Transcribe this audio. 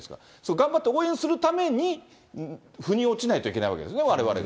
頑張って、応援するために、ふに落ちないといけないわけですね、われわれが。